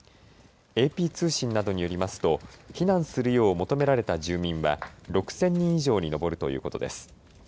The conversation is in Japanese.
ＡＰ通信などによりますと避難するよう求められた住民は６０００人以上に上るということです。